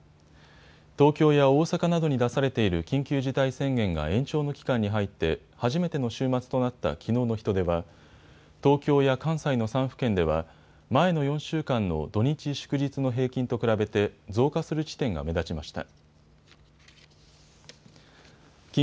東京や大阪などに出されている緊急事態宣言が延長の期間に入って初めての週末となったきのうの人出は東京や関西の３府県では前の４週間の土日、祝日の平均と比べて増加する地点が目立ちました。